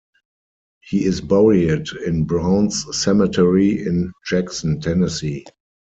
He is buried in Browns Cemetery in Jackson, Tennessee.